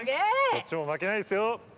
こっちもまけないですよ。